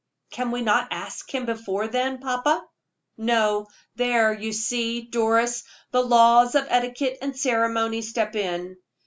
"Can we not ask him before then, papa?" "No; there, you see, Doris, the laws of etiquette and ceremony step in.